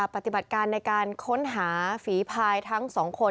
ปฏิบัติการในการค้นหาฝีพายทั้งสองคน